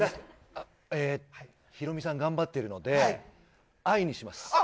ヒロミさん頑張ってるので、愛にします。